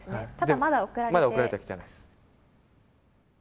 まだ送られてはきてないです。